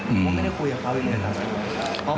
อืมผมก็ไม่ได้คุยกับเขาอีกเลยนะอืมอืม